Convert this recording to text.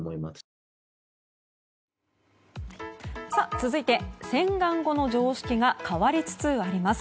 続いて、洗顔後の常識が変わりつつあります。